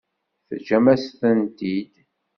Teǧǧam-asen-tent-id?